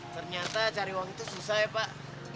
ternyata cari waktu susah ya pak